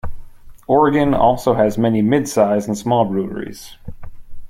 Oregon also has many mid-size and small breweries.